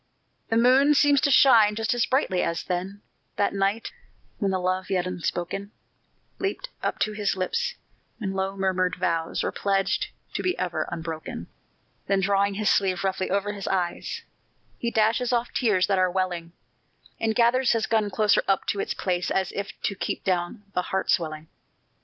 The moon seems to shine just as brightly as then, That night, when the love yet unspoken Leaped up to his lips when low murmured vows Were pledged to be ever unbroken. Then drawing his sleeve roughly over his eyes, He dashes off tears that are welling, And gathers his gun closer up to its place As if to keep down the heart swelling.